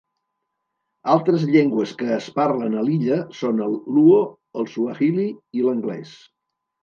Altres llengües que es parlen a l'illa són el luo, el suahili i l'anglès.